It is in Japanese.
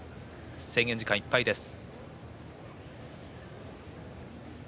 制限時間いっぱいです。